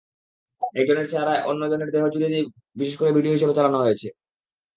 একজনের চেহারায় অন্যজনের দেহ জুড়ে দিয়ে বিশেষ কারও ভিডিও হিসেবে চালানো হয়েছে।